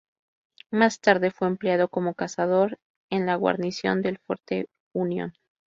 Más tarde fue empleado como cazador en la guarnición del Fuerte Unión.